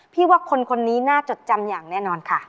ว่าคนคนนี้น่าจดจำอย่างแน่นอนค่ะ